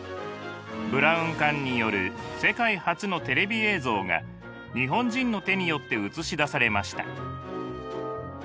ブラウン管による世界初のテレビ映像が日本人の手によって映し出されました。